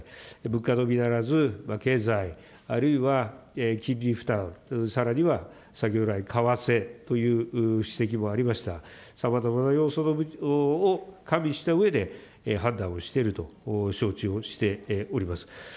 物価のみならず、経済、あるいは金利負担、さらには先ほど来、為替という指摘もありました、さまざまな要素を加味したうえで、判断をしていると承知をしております。